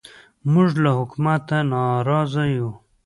موږ له حکومته نارازه یو